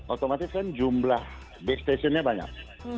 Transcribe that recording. otomatis kan jumlah base station nya banyak